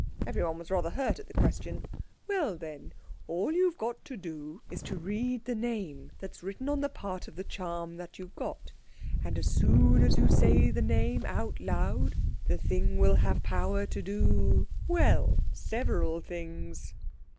Everyone was rather hurt at the question. "Well, then—all you've got to do is to read the name that's written on the part of the charm that you've got. And as soon as you say the name out loud the thing will have power to do—well, several things."